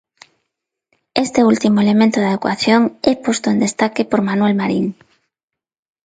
Este último elemento da ecuación é posto en destaque por Manuel Marín.